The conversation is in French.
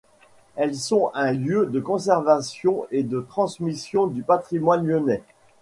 Elles sont un lieu de conservation et de transmission du patrimoine lyonnais.